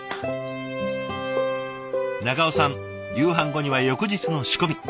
長尾さん夕飯後には翌日の仕込み。